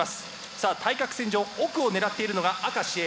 さあ対角線上奥を狙っているのが明石Ａ。